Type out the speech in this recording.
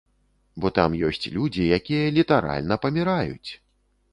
Бо там ёсць людзі, якія літаральна паміраюць!